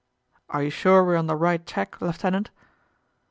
"Are you sure we are on the right track, lieutenant?"